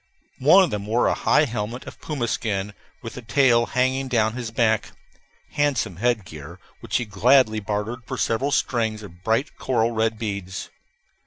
One of them wore a high helmet of puma skin, with the tail hanging down his back handsome head gear, which he gladly bartered for several strings of bright coral red beads.